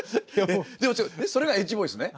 でもそれがエッジボイスね。